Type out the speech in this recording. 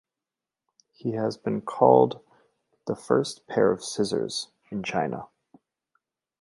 He has been called the "first pair of scissors" in China.